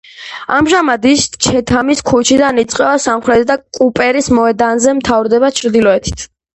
ამჟამად ის ჩეთამის ქუჩიდან იწყება სამხრეთით და კუპერის მოედანზე მთავრდება ჩრდილოეთით.